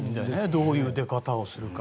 どういう出方をするのか。